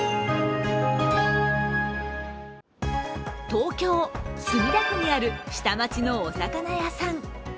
東京・墨田区にある下町のお魚屋さん。